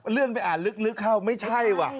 เลื่อนไปอ่านลึกเข้าไม่ใช่ว่ะ